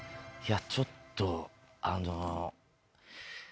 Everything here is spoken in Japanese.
いやちょっとあの。